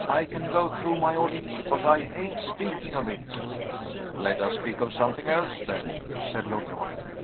I can go through my ordeal but I hate speaking of it." "Let us speak of something else then," said Lord Loring.